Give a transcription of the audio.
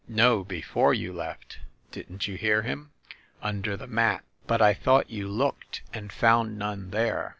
"No, before you left. Didn't you hear him?" "Under the mat? But I thought you looked and found none there."